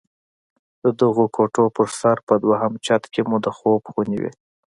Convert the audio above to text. د دغو کوټو پر سر په دويم چت کښې مو د خوب خونې وې.